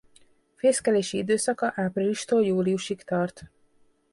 Fészkelési időszaka áprilistól júliusig tart.